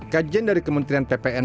kajian dari kementerian ppn